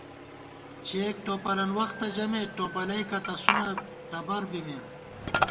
چېک ٹوپَلن وختہ ژِمېت، ٹوپلَئیکہ تسُونہ ٹبَربِمېم